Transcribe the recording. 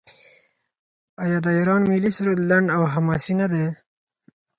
آیا د ایران ملي سرود لنډ او حماسي نه دی؟